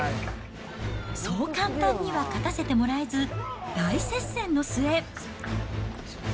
そう簡単には勝たせてもらえず、大接戦の末。